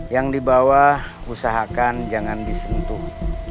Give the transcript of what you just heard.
yang di bawah usahakan jangan disentuh